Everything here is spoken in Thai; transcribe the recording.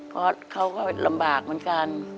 เพราะเขาก็ลำบากเหมือนกัน